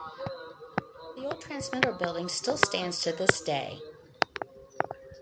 The old transmitter building still stands to this day.